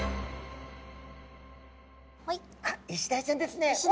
あイシダイちゃんですね。